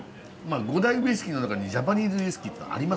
五大ウイスキーの中にジャパニーズウイスキーってのありますから。